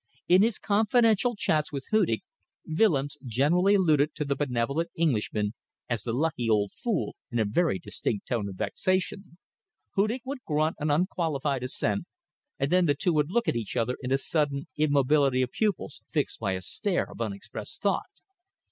In his confidential chats with Hudig, Willems generally alluded to the benevolent Englishman as the "lucky old fool" in a very distinct tone of vexation; Hudig would grunt an unqualified assent, and then the two would look at each other in a sudden immobility of pupils fixed by a stare of unexpressed thought.